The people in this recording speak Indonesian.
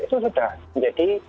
itu sudah menjadi